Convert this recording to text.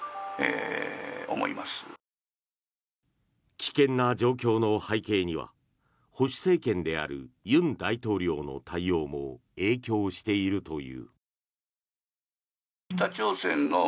危険な状況の背景には保守政権である尹大統領の対応も影響しているという。